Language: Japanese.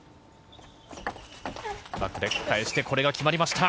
バックで返して、これが決まりました。